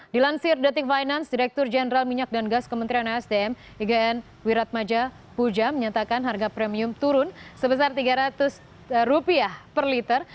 dilansir detik finance direktur jenderal minyak dan gas kementerian asdm ign wiratmaja puja menyatakan harga premium turun sebesar rp tiga ratus per liter